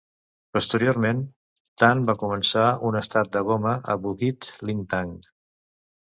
Posteriorment, Tan va començar un estat de goma a Bukit Lintang.